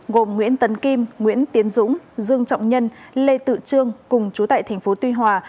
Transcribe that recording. gồm nguyễn tấn kim nguyễn tiến dũng dương trọng nhân lê tự trương cùng chú tại tp tuy hòa